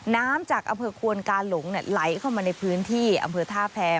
น้ำจากอำเภอควนกาหลงไหลเข้ามาในพื้นที่อำเภอท่าแพ้